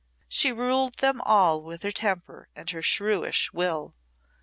She ruled them all with her temper and her shrewish will.